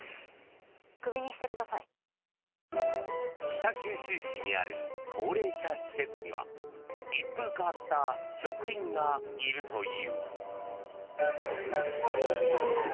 北九州市にある高齢者施設には一風変わった職員がいるという。